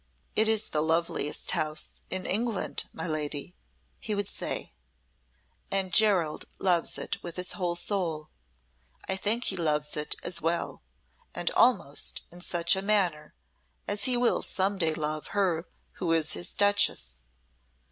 "It is the loveliest house in England, my lady," he would say, "and Gerald loves it with his whole soul. I think he loves it as well, and almost in such manner as he will some day love her who is his Duchess.